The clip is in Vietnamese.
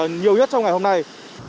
nhiều nhất trong ngày hôm nay